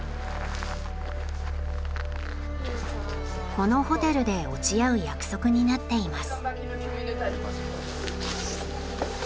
このホテルで落ち合う約束になっています。